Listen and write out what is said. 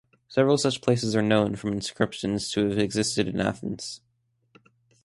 Several such places are known from inscriptions to have existed in Athens.